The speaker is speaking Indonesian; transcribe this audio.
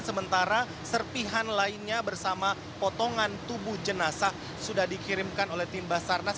sementara serpihan lainnya bersama potongan tubuh jenazah sudah dikirimkan oleh tim basarnas